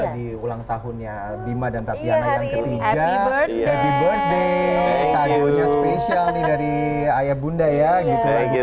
di ulang tahunnya bima dan tatiana yang ketiga birthday special dari ayah bunda ya gitu ya